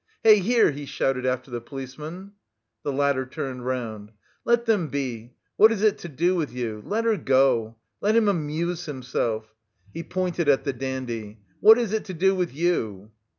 "Hey, here!" he shouted after the policeman. The latter turned round. "Let them be! What is it to do with you? Let her go! Let him amuse himself." He pointed at the dandy, "What is it to do with you?"